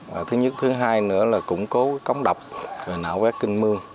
và thứ nhất thứ hai nữa là củng cố cái cống độc về nạo huyết kinh mương